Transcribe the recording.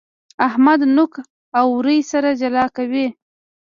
احمد نوک او اورۍ سره جلا کوي.